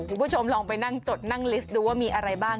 คุณผู้ชมลองไปนั่งจดนั่งลิสต์ดูว่ามีอะไรบ้าง